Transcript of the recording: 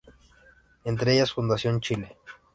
Entre ellas Fundación Chile.